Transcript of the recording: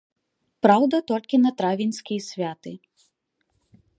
Праўда, толькі на травеньскія святы.